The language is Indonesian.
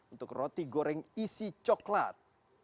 untuk roti goreng isi coklat